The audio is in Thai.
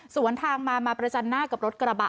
สวนทางมามาประจันหน้ากับรถกระบะ